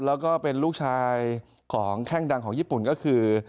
แล้วก็เป็นลูกชายของแข้งดังของญี่ปุ่นก็คือ